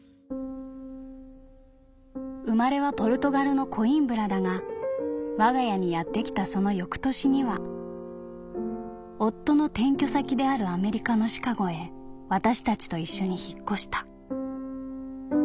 「生まれはポルトガルのコインブラだが我が家にやってきたその翌年には夫の転居先であるアメリカのシカゴへ私たちと一緒に引っ越した。